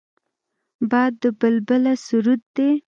باد د بلبله سرود دی